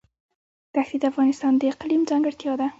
ښتې د افغانستان د اقلیم ځانګړتیا ده.